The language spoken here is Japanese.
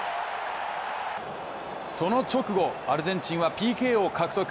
その直後、アルゼンチンはＰＫを獲得。